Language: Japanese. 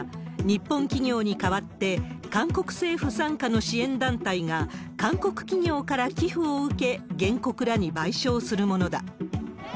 肩代わり案とは、日本企業に代わって、韓国政府傘下の支援団体が、韓国企業から寄付を受け、原告らに賠償するものだ。